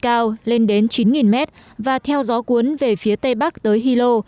cột trò bụi cao lên đến chín mét và theo gió cuốn về phía tây bắc tới hilo